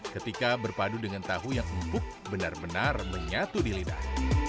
ketika berpadu dengan tahu yang empuk benar benar menyatu di lidah